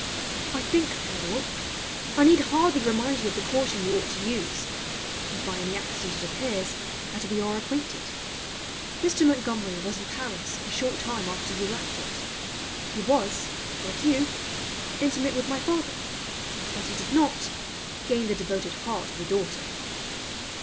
I think, my Lord, I need hardly remind you of the caution you ought to use, if by any accident it appears that we are acquainted. Mr. Montgomery was in Paris a short time after you left it. He was, like you, intimate with my father; but he did not, gain the devoted heart of the daughter.